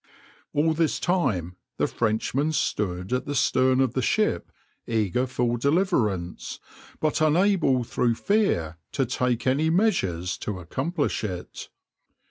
\par All this time the Frenchmen stood at the stern of the ship eager for deliverance, but unable through fear to take any measures to accomplish it.